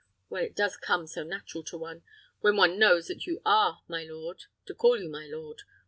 Well, it does come so natural to one, when one knows that you are my lord, to call you my lord.